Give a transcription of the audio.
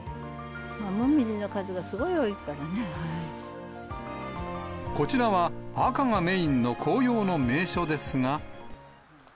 モミジの数がすごい多いからこちらは、赤がメインの紅葉の名所ですが。